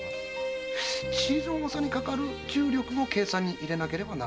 塵の重さにかかる重力も計算に入れなければならぬ。